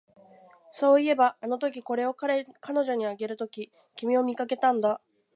そういえば、あのとき、これを彼女にあげるとき、君を見かけたんだ